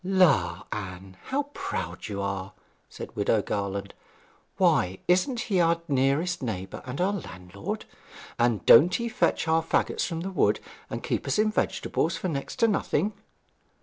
'La, Anne, how proud you are!' said Widow Garland. 'Why, isn't he our nearest neighbour and our landlord? and don't he always fetch our faggots from the wood, and keep us in vegetables for next to nothing?'